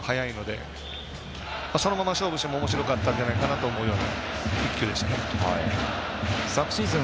そのまま勝負してもおもしろかったんじゃないかと思うような、１球でしたね。